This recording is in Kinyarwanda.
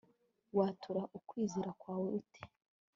Watura ukwizera kwawe ute